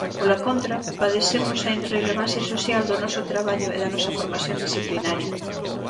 Pola contra, padecemos a irrelevancia social do noso traballo e da nosa formación disciplinaria.